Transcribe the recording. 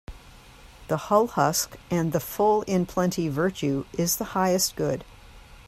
The hull husk and the full in plenty Virtue is the highest good.